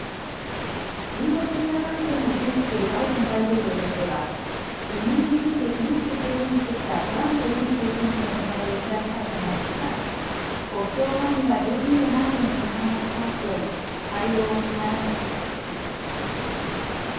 人道的な観点を重視するバイデン大統領としては移民について厳しく制限してきたトランプ前政権との違いを打ち出したい構えですが国境管理が十分でないとの批判が高まっており対応を迫られた形です。